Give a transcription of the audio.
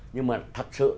nhưng mà thật sự